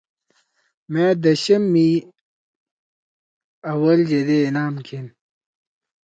مأ دشم می اوّل یدے انعام گھیِن۔